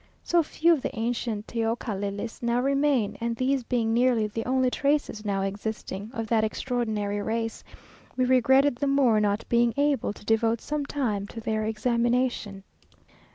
So few of the ancient teocallis now remain, and these being nearly the only traces now existing of that extraordinary race, we regretted the more not being able to devote some time to their examination.